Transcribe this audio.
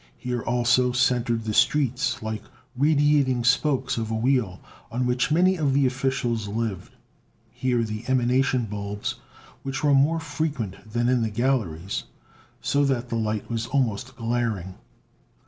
Here also centered the streets, like radiating spokes of a wheel, on which many of the officials lived. Here the emanation bulbs were more frequent than in the galleries, so that the light was almost glaring.